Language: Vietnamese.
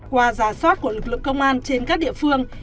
qua giả soát của lực lượng công an trên các địa phương